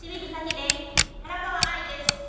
原川愛です。